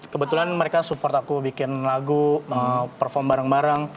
kebetulan mereka support aku bikin lagu perform bareng bareng